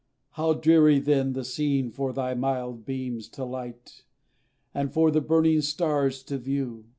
How dreary then the scene for thy mild beams To light, and for the burning stars to view!